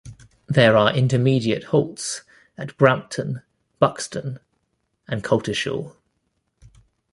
There are intermediate halts at Brampton, Buxton and Coltishall.